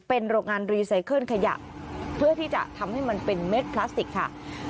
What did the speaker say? เป็นโรงงานรีไซเคิลขยะเพื่อที่จะทำให้มันเป็นเม็ดพลาสติกค่ะ